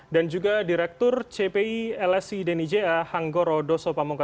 dan juga direktur cpi lsi deni ja hanggoro dosopamungka